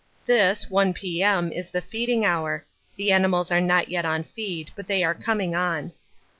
This, 1 P.M., is the feeding hour the animals are not yet on feed, but they are coming on.